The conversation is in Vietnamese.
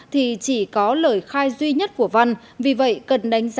thì chỉ có lời khai duy nhất của văn